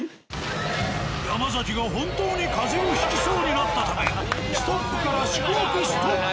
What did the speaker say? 山崎が本当に風邪をひきそうになったためスタッフから宿泊ストップ。